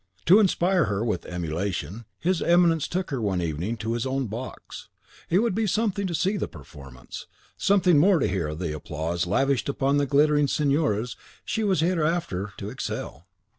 To inspire her with emulation, his Eminence took her one evening to his own box: it would be something to see the performance, something more to hear the applause lavished upon the glittering signoras she was hereafter to excel!